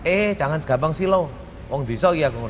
eh jangan gampang silau